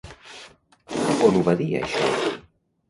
On ho va dir, això?